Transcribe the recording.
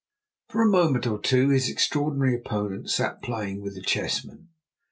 For a moment or two his extraordinary opponent sat playing with the chessmen.